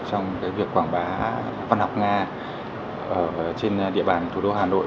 trong cái việc quảng bá văn học nga ở trên địa bàn thủ đô hà nội